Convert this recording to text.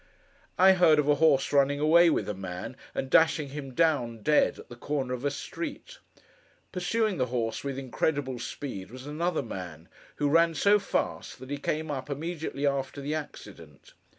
I heard of a horse running away with a man, and dashing him down, dead, at the corner of a street. Pursuing the horse with incredible speed, was another man, who ran so fast, that he came up, immediately after the accident.